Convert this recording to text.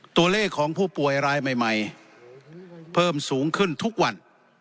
ตัวเลขของผู้ป่วยรายใหม่เพิ่มสูงขึ้นทุกวัน